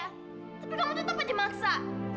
tapi kamu tetap aja maksa